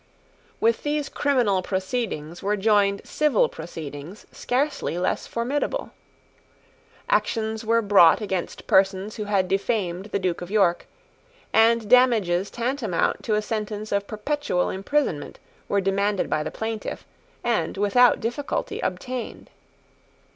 With these criminal proceedings were joined civil proceedings scarcely less formidable. Actions were brought against persons who had defamed the Duke of York and damages tantamount to a sentence of perpetual imprisonment were demanded by the plaintiff, and without difficulty obtained.